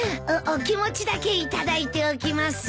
お気持ちだけ頂いておきます。